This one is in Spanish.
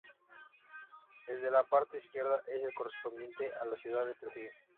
El de la parte izquierda es el correspondiente a la ciudad de Trujillo.